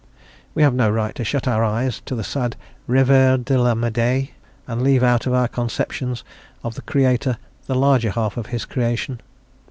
We have no right to shut our eyes to the sad revers de la medaille, and leave out of our conceptions of the Creator the larger half of his creation.